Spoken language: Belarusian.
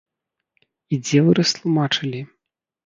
І дзе вы растлумачылі?